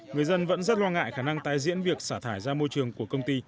người dân vẫn rất lo ngại khả năng tái diễn việc xả thải ra môi trường của công ty